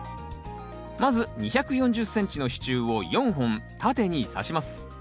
まず２４０ｃｍの支柱を４本縦にさします。